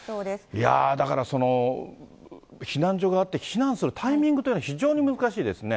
いや、だから、避難所があって、避難するタイミングというのが非常に難しいですね。